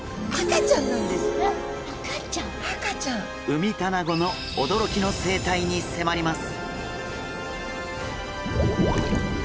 ウミタナゴの驚きの生態に迫ります！